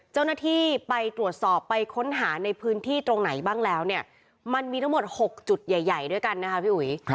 เจ้าหน้าที่ไปตรวจสอบไปค้นหาในพื้นที่ตรงไหนบ้างแล้วเนี่ยมันมีทั้งหมด๖จุดใหญ่ด้วยกันนะคะพี่อุ๋ย